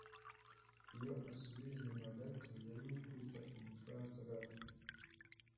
Iyo asubira inyuma gato yari gukubita umutwe hasi agapfa